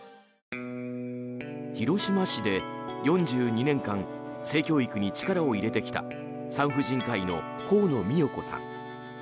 広島市で４２年間性教育に力を入れてきた産婦人科医の河野美代子さん。